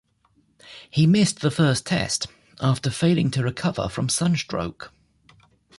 He missed the first Test, after failing to recover from sunstroke.